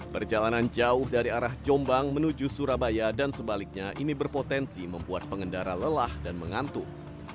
perjalanan jauh dari arah jombang menuju surabaya dan sebaliknya ini berpotensi membuat pengendara lelah dan mengantuk